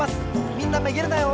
みんなめげるなよ！